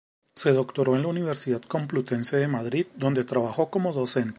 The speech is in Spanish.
Se doctoró en la Universidad Complutense de Madrid, donde trabajó como docente.